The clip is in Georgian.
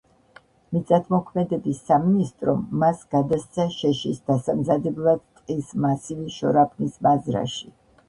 მიწათმოქმედების სამინისტრომ მას გადასცა შეშის დასამზადებლად ტყის მასივი შორაპნის მაზრაში.